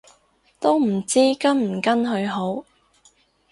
都唔知跟唔跟去好